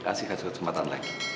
kasih kasih kesempatan lagi